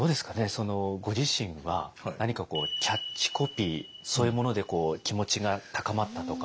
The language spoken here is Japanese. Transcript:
そのご自身は何かこうキャッチコピーそういうもので気持ちが高まったとか。